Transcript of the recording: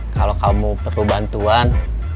kalau kamu perlu bantuan